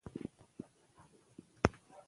که زه ژمنه مات کړم، بیا هڅه کوم.